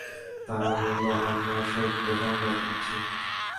তারা বলল, আমরা সত্য সংবাদ দিচ্ছি।